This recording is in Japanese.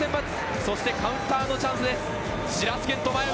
そしてカウンターのチャンスです。